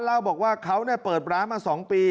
เล่าบอกว่าเค้าเนี่ยเปิดร้านมา๒ปี